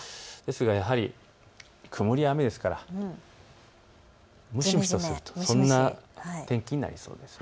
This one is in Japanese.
やはり曇り、雨ですから蒸し蒸しとするとそんな天気になりそうです。